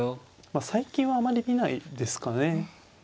最近はあまり見ないですかね。